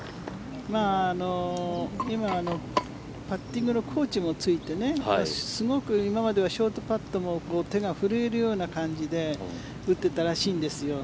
今パッティングのコーチもついてすごく今まではショートパットも手が震えるような感じで打っていたらしいんですよ。